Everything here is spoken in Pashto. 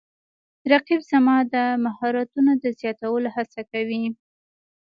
رقیب زما د مهارتونو د زیاتولو هڅه کوي